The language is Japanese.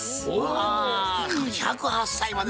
あ１０８歳まで。